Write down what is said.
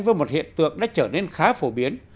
với một hiện tượng đã trở nên khá phổ biến